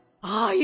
ああ